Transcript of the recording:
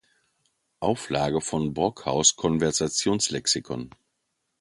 Auflage von Brockhaus’ "Konversationslexikon".